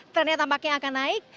trendnya tampaknya akan naik